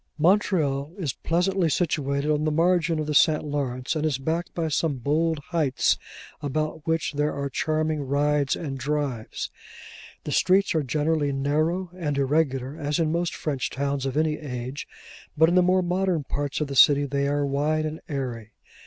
Montreal is pleasantly situated on the margin of the St. Lawrence, and is backed by some bold heights, about which there are charming rides and drives. The streets are generally narrow and irregular, as in most French towns of any age; but in the more modern parts of the city, they are wide and airy.